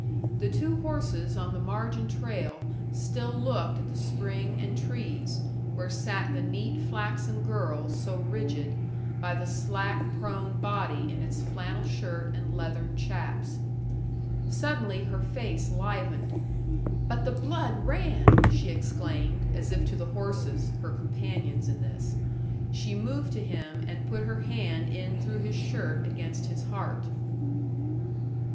The two horses on the margin trail still looked at the spring and trees, where sat the neat flaxen girl so rigid by the slack prone body in its flannel shirt and leathern chaps. Suddenly her face livened. "But the blood ran!" she exclaimed, as if to the horses, her companions in this. She moved to him, and put her hand in through his shirt against his heart.